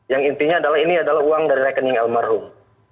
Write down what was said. yang intinya adalah ini adalah uang dari rekening almarhum